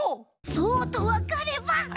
そうとわかれば。